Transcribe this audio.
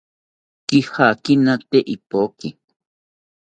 Kijakina tee ipoki